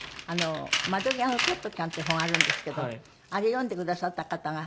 『窓ぎわのトットちゃん』っていう本あるんですけどあれ読んでくださった方が。